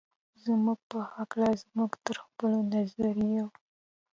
زموږ په هکله زموږ تر خپلو نظریو.